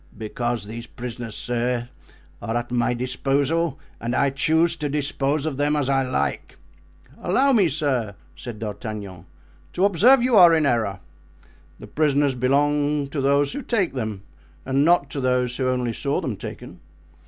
"Because these prisoners, sir, are at my disposal and I choose to dispose of them as I like." "Allow me—allow me, sir," said D'Artagnan, "to observe you are in error. The prisoners belong to those who take them and not to those who only saw them taken.